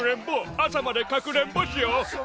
朝までかくれんぼしよう！